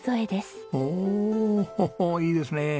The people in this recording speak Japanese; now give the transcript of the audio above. おおいいですね。